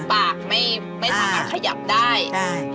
ปากไม่สามารถขยับได้